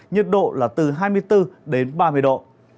nhiệt độ là từ hai mươi bốn đến ba mươi độ